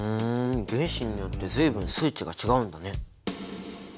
原子によって随分数値が違うんだね。